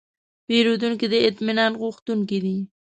پیرودونکی د اطمینان غوښتونکی دی.